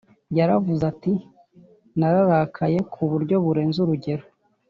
Yaravuze ati “nararakaye ku buryo burenze urugero”